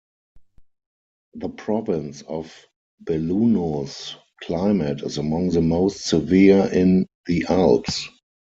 The province of Belluno's climate is among the most severe in the Alps.